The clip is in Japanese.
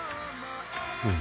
うん。